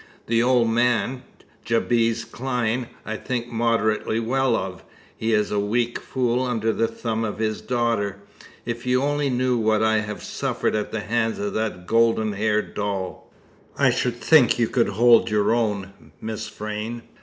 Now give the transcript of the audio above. The old man, Jabez Clyne, I think moderately well of; he is a weak fool under the thumb of his daughter. If you only knew what I have suffered at the hands of that golden haired doll!" "I should think you could hold your own, Miss Vrain."